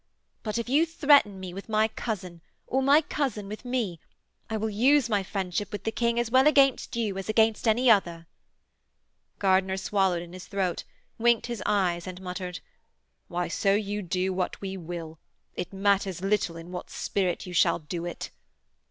But, if you threaten me with my cousin, or my cousin with me, I will use my friendship with the King as well against you as against any other.' Gardiner swallowed in his throat, winked his eyes, and muttered: 'Why, so you do what we will, it matters little in what spirit you shall do it.'